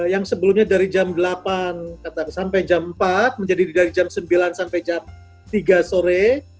yang sebelumnya dari jam delapan sampai jam empat menjadi dari jam sembilan sampai jam tiga sore